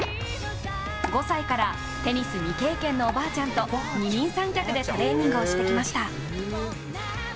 ５歳からテニス未経験のおばあちゃんと二人三脚でトレーニングをしてきました。